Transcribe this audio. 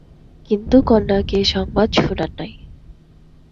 কিন্তু কন্যাকে এ সংবাদ শুনান নাই।